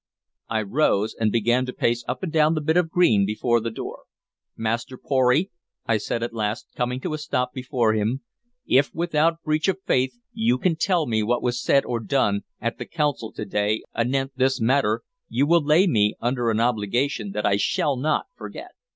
I rose, and began to pace up and down the bit of green before the door. "Master Pory," I said at last, coming to a stop before him, "if, without breach of faith, you can tell me what was said or done at the Council to day anent this matter, you will lay me under an obligation that I shall not forget."